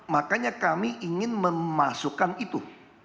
makanya kami ingin memasukkan itu